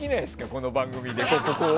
この番組で。